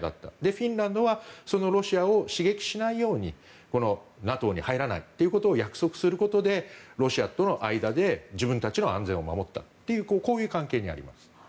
フィンランドはそのロシアを刺激しないようにＮＡＴＯに入らないということを約束することでロシアとの間で自分たちの安全を守ったというこういう関係にあります。